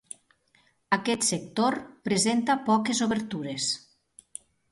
Aquest sector presenta poques obertures.